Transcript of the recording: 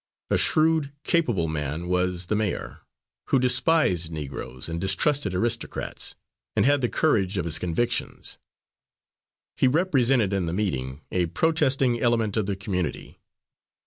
A shrewd, capable man was the mayor, who despised Negroes and distrusted aristocrats, and had the courage of his convictions. He represented in the meeting the protesting element of the community.